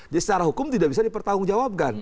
jadi secara hukum tidak bisa dipertanggungjawabkan